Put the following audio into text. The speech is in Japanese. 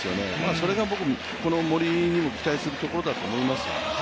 それが僕、この森にも期待するところだと思います。